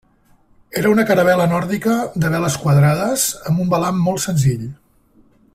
Era una caravel·la nòrdica de veles quadrades amb un velam molt senzill.